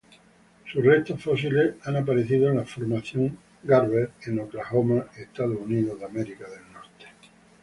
Sus restos fósiles han aparecido en la formación Garber, en Oklahoma, Estados Unidos.